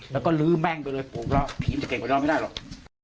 แล้วก็ลื้อแม่งไปเลยผีมันจะเก่งกว่าน้องไม่ได้หรอก